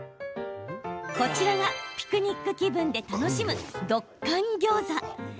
こちらがピクニック気分で楽しむドッカン・ギョーザ。